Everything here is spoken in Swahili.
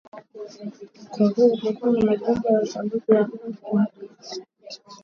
mkoa huu ulikuwa na majimbo ya uchaguzi yafuatayo